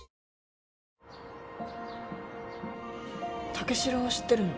武四郎は知ってるの？